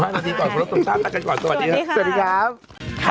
๕โมง๔๕นาทีก่อนพวกเราต้องจัดการตัวนี้นะฮะสวัสดีครับสวัสดีครับ